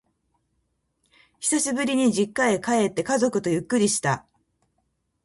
久しぶりに実家へ帰って、家族とゆっくり話した。